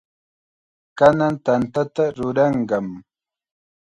Kanan tantata ruranqam.